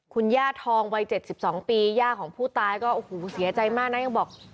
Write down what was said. คุณย่าทองวัย๗๒ปีย่าของผู้ตายก็โอ้โหเสียใจมากนะยังบอก